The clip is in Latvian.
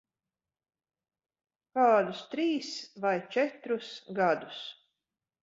Kādus trīs vai četrus gadus.